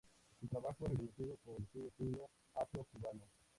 Su trabajo es reconocido por su estilo "afro-cubano".